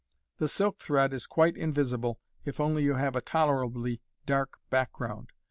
The silk thread is quite invisible, if only you have a tolerably dark background.